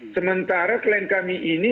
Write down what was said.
sementara klien kami ini